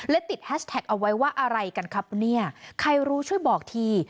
และติดแฮชแท็กเอาไว้ว่าอะไรกันครับเนี่ยใครรู้ช่วยบอกที